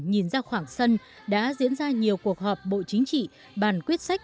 nhìn ra khoảng sân đã diễn ra nhiều cuộc họp bộ chính trị bàn quyết sách